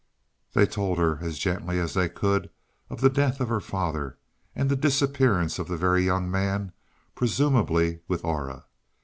They told her, as gently as they could, of the death of her father and the disappearance of the Very Young Man, presumably with Aura.